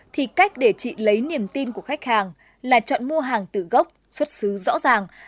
thì cách để chị lấy niềm tin của khách hàng là chọn mua hàng từ gốc xuất xứ rõ ràng